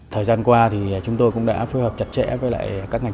thời gian qua thì chúng tôi cũng đã phối hợp chặt chẽ với các ngành